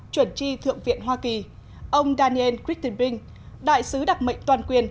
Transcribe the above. chuẩn tri thượng viện hoa kỳ ông daniel christenbrink đại sứ đặc mệnh toàn quyền